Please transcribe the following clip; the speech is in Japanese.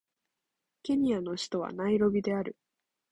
ケニアの首都はナイロビである